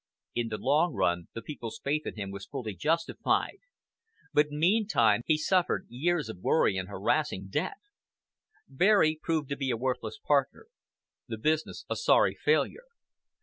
In the long run the people's faith in him was fully justified; but meantime he suffered years of worry and harassing debt. Berry proved a worthless partner; the business a sorry failure.